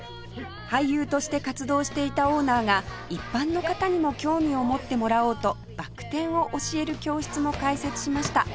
俳優として活動していたオーナーが一般の方にも興味を持ってもらおうとバク転を教える教室も開設しました